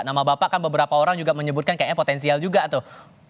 nama bapak kan beberapa orang juga menyebutkan kayaknya potensial juga tuh